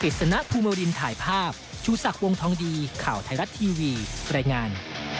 เดี๋ยวเราไปชมกันครับ